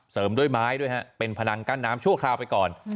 ด้วยไม้ด้วยฮะเป็นพนังกั้นน้ำชั่วคราวไปก่อน